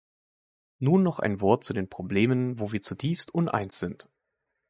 Nun noch ein Wort zu den Problemen, wo wir zutiefst uneins sind.